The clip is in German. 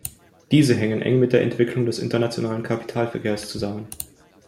Diese hängen eng mit der Entwicklung des internationalen Kapitalverkehrs zusammen.